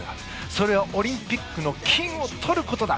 それはオリンピックで金を取ることだ！